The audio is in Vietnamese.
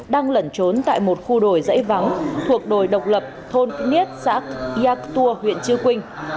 đang lẩn trốn tại một khu đồi dãy vắng thuộc đồi độc lập thôn khi niết xã yà cô tùa huyện chư quynh